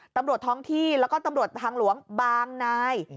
ตำรวจท้องที่แล้วก็ตำรวจทางหลวงบางนาย